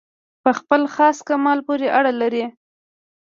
په خپل خاص کمال پوري اړه لري.